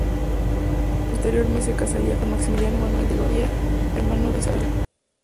Posteriormente Amalia se casaría con Maximiliano Manuel de Baviera, hermano de Isabel.